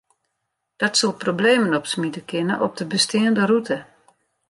Dat soe problemen opsmite kinne op de besteande rûte.